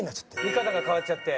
見方が変わっちゃって？